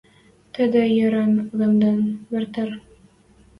Тӹдӹ йӹрен лӹмден: «Вертер».